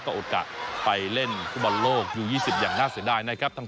ก็โอกาสไปเล่นฟุตบอลโลกยู๒๐อย่างน่าเสียดายนะครับ